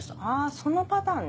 そのパターンね。